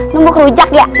numbuk rujak ya